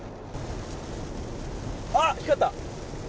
あ、光った！